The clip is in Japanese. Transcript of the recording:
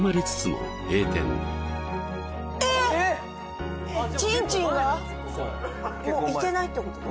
もう行けないってこと？